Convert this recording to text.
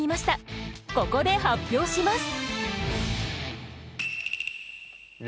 ここで発表します。